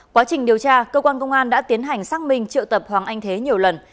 quá trình điều tra cơ quan công an đã tiến hành xác minh triệu tập hoàng anh thế nhiều lần